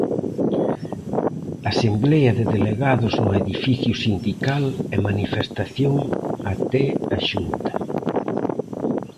Asemblea de delegados no edificio sindical e manifestación até a Xunta.